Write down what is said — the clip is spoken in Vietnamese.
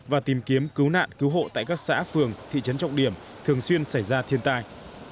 và tìm kiếm cứu nạn cứu hộ tại các xã phường thị trấn trọng điểm thường xuyên xảy ra thiên tai